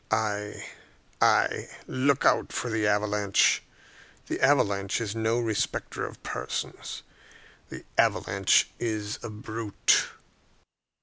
Ay, ay; look out for the avalanche. The avalanche is no respecter of persons. The avalanche is a brute."